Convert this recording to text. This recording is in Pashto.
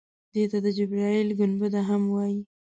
دې ته د جبرائیل ګنبده هم وایي.